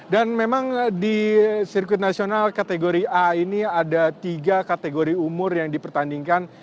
dan memang di sirkuit nasional kategori a ini ada tiga kategori umur yang dipertandingkan